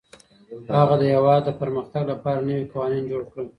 هغه د هېواد د پرمختګ لپاره نوي قوانین جوړ کړل.